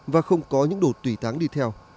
và không có những đồ tủy táng đi theo